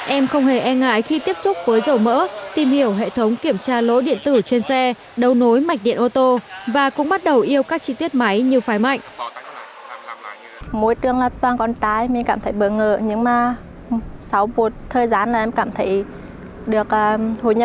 em không hề e ngại khi tiếp xúc với dầu mỡ tìm hiểu hệ thống kiểm tra lối điện tử trên xe đầu nối mạch điện ô tô và cũng bắt đầu yêu các chi tiết máy như phái mạnh